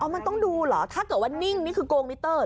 มันต้องดูเหรอถ้าเกิดว่านิ่งนี่คือโกงมิเตอร์